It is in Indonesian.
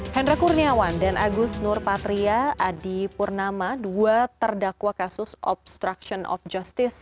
hendra kurniawan dan agus nurpatria adi purnama dua terdakwa kasus obstruction of justice